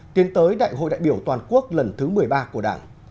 tiến tới đại hội đại biểu toàn quốc lần thứ một mươi ba của đảng